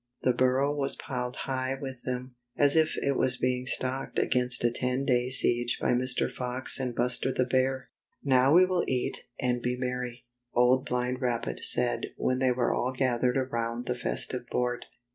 The burrow was piled high with them, as if it was being stocked against a ten day siege by Mr. Fox and Buster the Bear. " Now we will eat and be merry," Old Blind Rabbit said when they were all gathered around the festive board.